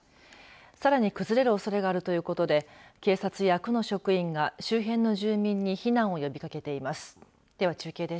さらに崩れるおそれがあるということで警察や区の職員が周辺の住民に避難を呼びかけています。